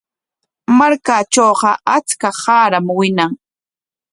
Markaatrawqa achka qaaram wiñan.